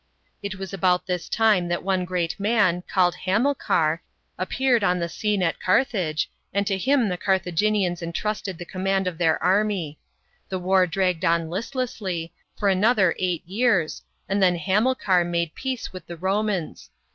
It was about this time that one great man, called Hamilcar, appeared on the scene at Car thage, and to him the Carthaginians entrusted the command of their army. The war dragged on listlessly, for another eight years, and then Hamilcar made peace with the Romans.